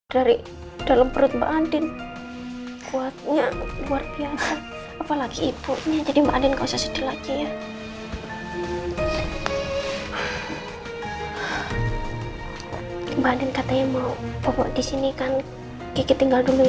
sampai ketika mereka tiba tiba kembali di rumah